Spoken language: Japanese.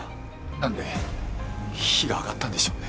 なんで火が上がったんでしょうね？